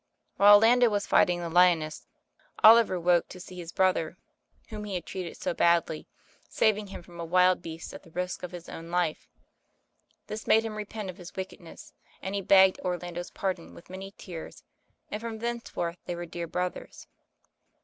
While Orlando was fighting the lioness, Oliver woke to see his brother, whom he had treated so badly, saving him from a wild beast at he risk of his own life. This made him repent of his wicked ness, and he begged Orlando's pardon with many tears, and from thenceforth they were dear brothers.